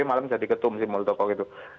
malam jadi ketum si muldoko gitu